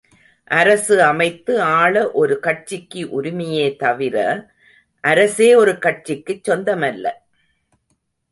அரசு அமைத்து ஆள ஒரு கட்சிக்கு உரிமையே தவிர, அரசே ஒரு கட்சிக்குச் சொந்தமல்ல?